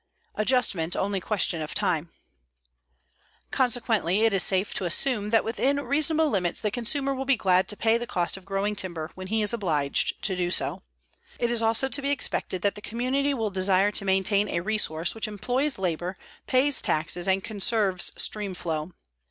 ADJUSTMENT ONLY QUESTION OF TIME Consequently it is safe to assume that within reasonable limits the consumer will be glad to pay the cost of growing timber when he is obliged to do so. It is also to be expected that the community will desire to maintain a resource which employs labor, pays taxes, and conserves stream flow.